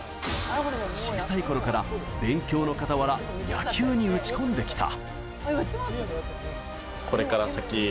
小さい頃から勉強の傍ら、野球に打ち込んできた。